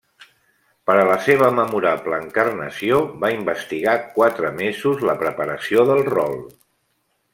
Per a la seva memorable encarnació va investigar quatre mesos la preparació del rol.